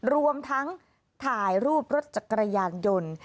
รวมทั้งถ่ายรูปรถจักรยานยนต์